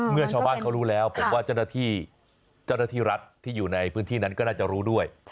เมื่อชาวบ้านเขารู้แล้วผมว่าเจ้าหน้าที่เจ้าหน้าที่รัฐที่อยู่ในพื้นที่นั้นก็น่าจะรู้ด้วย